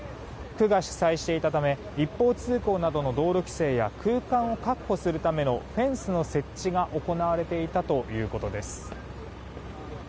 区が主催していたため一方通行などの道路規制や空間を確保するためのフェンスの設置が行われていたということです。